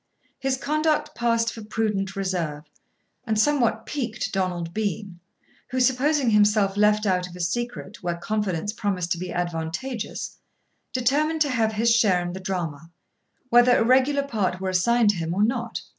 His conduct passed for prudent reserve, and somewhat piqued Donald Bean, who, supposing himself left out of a secret where confidence promised to be advantageous, determined to have his share in the drama, whether a regular part were assigned him or not.